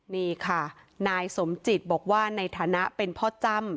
นี่ค่ะนายสมจิตบอกว่าในฐานะเป็นพ่อจ้ำ